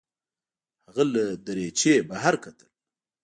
هغه له دریچې بهر کتل.